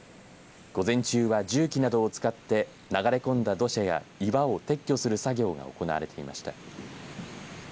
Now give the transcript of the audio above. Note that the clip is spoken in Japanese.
午前中は重機などを使って流れ込んだ土砂や岩を撤去する作業が行われていました。